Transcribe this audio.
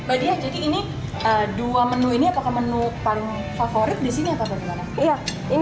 mbak diah jadi ini dua menu ini apakah menu paling favorit di sini apa bagaimana